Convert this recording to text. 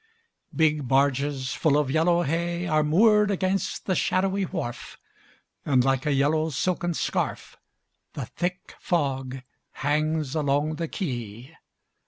Big barges full of yellow hay Are moored against the shadowy wharf, And, like a yellow silken scarf, The thick fog hangs along the quay.